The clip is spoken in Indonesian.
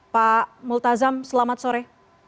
pak multazam selamat sore